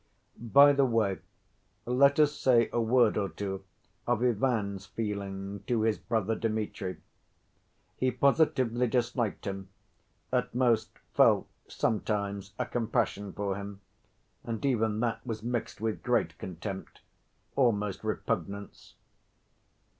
By the way, let us say a word or two of Ivan's feeling to his brother Dmitri. He positively disliked him; at most, felt sometimes a compassion for him, and even that was mixed with great contempt, almost repugnance.